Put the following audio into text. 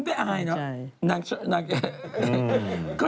ค่ะอ้อเข้าใจ